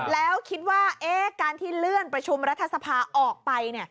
แล้วคิดว่าการที่เลื่อนประชุมรัฐสภาออกไป